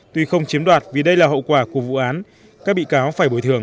tuy không chiếm đoạt vì đây là hậu quả của vụ án các bị cáo phải bồi thường